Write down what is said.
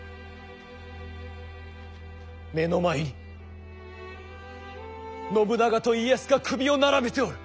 目の前に信長と家康が首を並べておる。